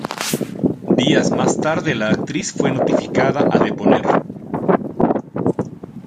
Días más tarde, la actriz fue notificada a deponer.